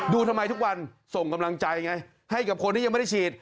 ทำไมทุกวันส่งกำลังใจไงให้กับคนที่ยังไม่ได้ฉีด